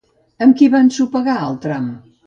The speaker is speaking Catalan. Amb qui va ensopegar al tram?